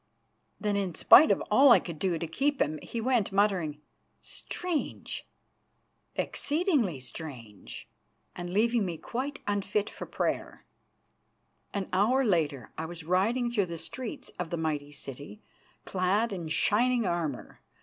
Then, in spite of all I could do to keep him, he went, muttering: "Strange! Exceeding strange!" and leaving me quite unfit for prayer. An hour later I was riding through the streets of the mighty city, clad in shining armour.